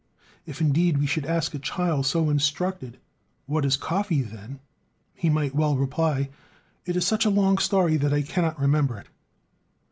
If, indeed, we should ask a child so instructed: "What is coffee, then?" he might well reply: "It is such a long story that I cannot remember it."